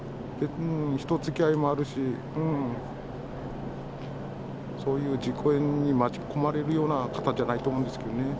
人づきあいもあるし、そういう事故に巻き込まれるような方じゃないと思うんですけどね。